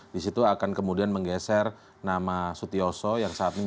ditidak berdampak ke grup boba rauh ini